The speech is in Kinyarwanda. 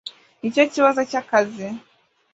Nicyo kibazo cyakazi.